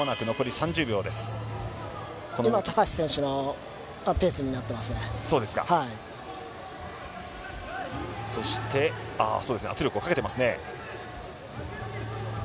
今、高橋選手のペースになっ圧力をかけていますね。